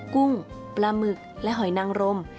กุ้งปลาหมึกและหอยนางรม